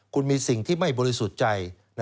คุณมีสิ่งที่ไม่บริสุทธิ์ใจ